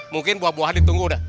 mungkin buah buahan ditunggu dah